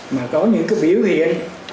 mà có những biểu hiện